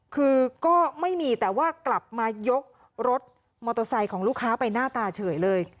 คือก็ไม่มีแต่ว่ากลับมายกรถมอเตอร์ไซค์ของลูกค้าไปหน้าตาเฉยเลย